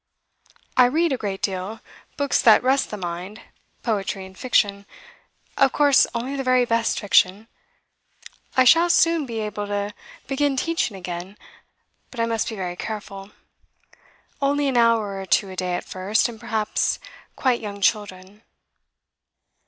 I read a great deal; books that rest the mind poetry and fiction; of course only the very best fiction. I shall soon be able to begin teaching again; but I must be very careful. Only an hour or two a day at first, and perhaps quite young children.